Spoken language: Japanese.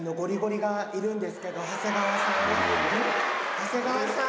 「長谷川さん」